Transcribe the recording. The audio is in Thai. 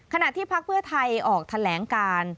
ขณะที่ภักษ์เพื่อไทยออกแถลงการ